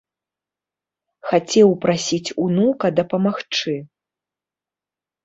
Хацеў прасіць унука дапамагчы.